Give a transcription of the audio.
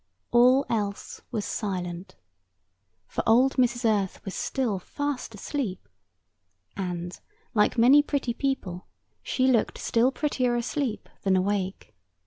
All else was silent. For old Mrs. Earth was still fast asleep; and, like many pretty people, she looked still prettier asleep than awake.